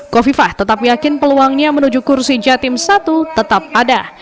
kofifah tetap yakin peluangnya menuju kursi jatim satu tetap ada